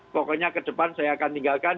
pokoknya ke depan saya akan tinggalkan